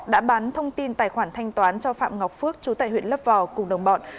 đã bán thông tin tài khoản thanh toán cho phạm ngọc phước chú tại huyện lấp vò cùng đồng bọn